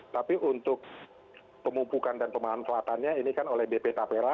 tapi untuk pemupukan dan pemanfaatannya ini kan oleh bp tapera